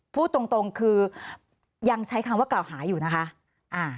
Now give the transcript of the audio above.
พูดตรงคือยังใช้คำว่ากล่าวหาอยู่นะคะ